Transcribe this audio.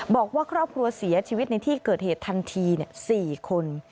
บอกว่าครอบครัวเสียชีวิตในที่เกิดเหตุทันที๔คน